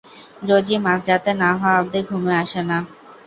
রোজই মাঝরাত না হওয়া অবধি ঘুম আসে না।